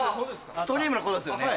ストリームのことですよね。